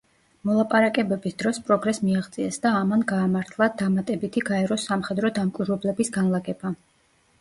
მოლაპარაკებების დროს პროგრესს მიაღწიეს და ამან გაამართლა დამატებითი გაეროს სამხედრო დამკვირვებლების განლაგება.